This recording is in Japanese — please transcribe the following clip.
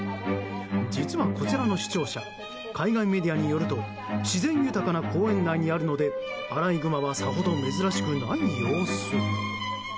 実は、こちらの市庁舎海外メディアによると自然豊かな公園内にあるのでアライグマはさほど珍しくない様子。